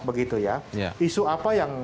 begitu ya isu apa yang